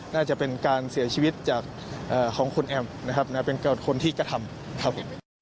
น่าจะเป็นการเสียชีวิตจากของคุณแอมนะครับคนที่กระทำครับผม